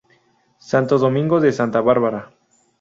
Santo Domingo de Santa Bárbara.